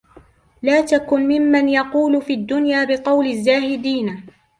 لَا تَكُنْ مِمَّنْ يَقُولُ فِي الدُّنْيَا بِقَوْلِ الزَّاهِدِينَ